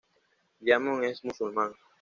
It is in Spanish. Diamond es musulmán.